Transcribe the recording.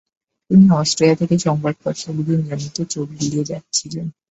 তিনি অস্ট্রিয়ায় থেকে সংবাদপত্রগুলি নিয়মিত চোখ বুলিয়ে যাচ্ছিলেন।